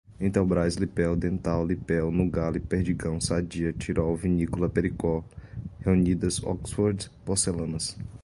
Intelbras, Lippel, Dental, Lippel, Nugali, Perdigão, Sadia, Tirol, Vinícola Pericó, Reunidas, Oxford Porcelanas